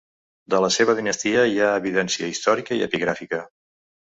De la seva dinastia hi ha evidència històrica i epigràfica.